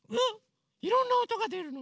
いろんなおとがでるの？